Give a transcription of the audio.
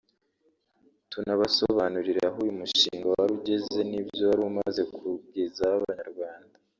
tunabasobanurire aho uyu mushinga wari ugeze n’ibyo wari umaze kugezaho abanyarwanda